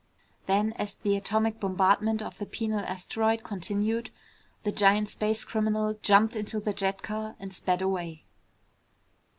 Then, as the atomic bombardment of the penal asteroid continued, the giant space criminal jumped into the jet car and sped away.